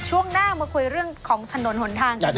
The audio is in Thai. ช่วงหน้ามาคุยเรื่องของถนนหนทางกันหน่อย